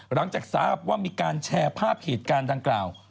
หลังจากทราบว่ามีการแชร์ภาพเหตุการณ์ดังกล่าว